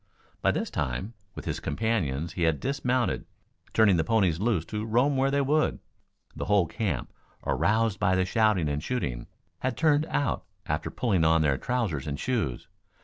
By this time, with his companions, he had dismounted, turning the ponies loose to roam where they would. The whole camp, aroused by the shouting and shooting, had turned out after pulling on their trousers and shoes.